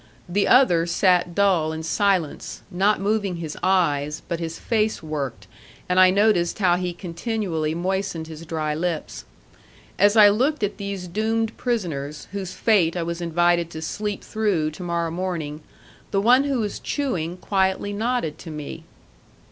The other sat dull in silence, not moving his eyes; but his face worked, and I noticed how he continually moistened his dry lips. As I looked at these doomed prisoners, whose fate I was invited to sleep through to morrow morning, the one who was chewing quietly nodded to me.